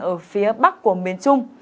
ở phía bắc của miền trung